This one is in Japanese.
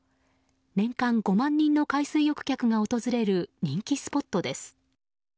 年間５万人の海水浴客が訪れる人気スポットです。